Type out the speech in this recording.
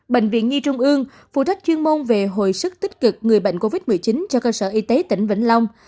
bệnh viện nhi trung ương phụ trách chuyên môn về hồi sức tích cực người bệnh covid một mươi chín cho cơ sở y tế tỉnh vĩnh long